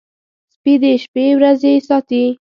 سپي د شپې ورځي ساتي.